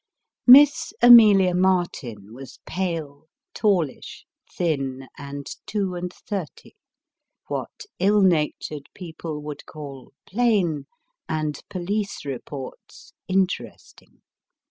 Miss AMELIA MARTIN was pale, tallish, thin, and two and thirty what ill natured people would call plain, and police reports interesting.